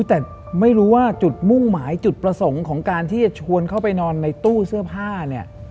แต่ไม่รู้ว่าจุดมุ่งหมายจุดประสงค์ของการที่จะชวนเข้าไปนอนในตู้เสื้อผ้าเนี่ย